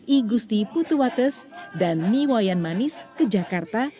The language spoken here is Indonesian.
igusti putuwates dan niwayan manis ke jakarta